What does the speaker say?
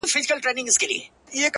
په خــــنــدا كيــسـه شـــــروع كړه;